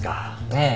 ええ。